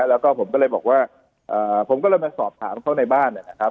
แล้วก็ผมก็เลยบอกว่าผมก็เลยมาสอบถามเขาในบ้านนะครับ